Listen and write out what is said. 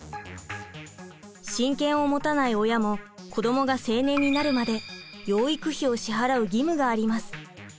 親権を持たない親も子どもが成年になるまで養育費を支払う義務があります。